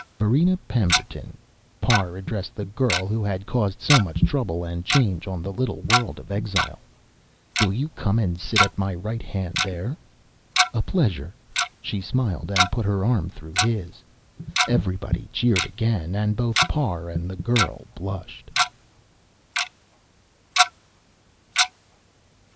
"Varina Pemberton," Parr addressed the girl who had caused so much trouble and change on the little world of exile, "will you come and sit at my right hand there?" "A pleasure," she smiled, and put her arm through his. Everybody cheered again, and both Parr and the girl blushed.